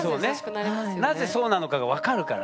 なぜそうなのかが分かるからね。